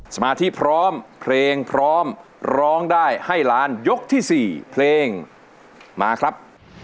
สมาธิพร้อมเพลงพร้อมร้องได้ให้ล้านยกที่๔เพลงมาครับ